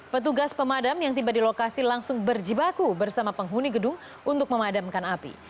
petugas pemadam yang tiba di lokasi langsung berjibaku bersama penghuni gedung untuk memadamkan api